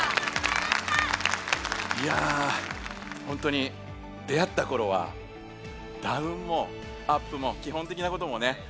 いやほんとに出会ったころはダウンもアップも基本的なこともね